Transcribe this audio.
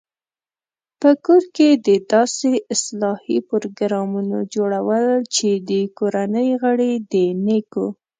په کور کې د داسې اصلاحي پروګرامونو جوړول چې د کورنۍ غړي د نېکو